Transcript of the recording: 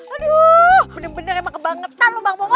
aduh bener bener emang kebangetan lu bang mongol